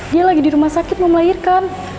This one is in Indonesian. dia lagi di rumah sakit mau melahirkan